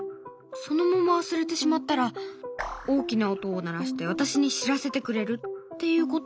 そのまま忘れてしまったら大きな音を鳴らして私に知らせてくれるっていうことなんだけど。